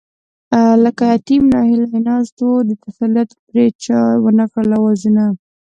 لکه يتيم ناهيلی ناست وو، د تسليت پرې چا ونکړل آوازونه